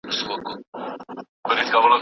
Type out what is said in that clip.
سوچه پښتو ژبه د پښتنو د غیرت او ننګ سمبول دی